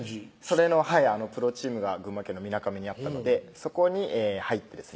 それのプロチームが群馬県のみなかみにあったのでそこに入ってですね